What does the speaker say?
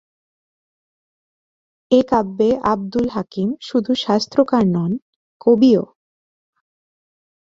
এ কাব্যে আবদুল হাকিম শুধু শাস্ত্রকার নন, কবিও।